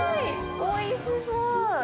おいしそう！